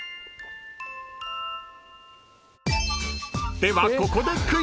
ではここでクイズ］